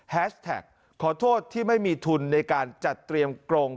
แท็กขอโทษที่ไม่มีทุนในการจัดเตรียมกรง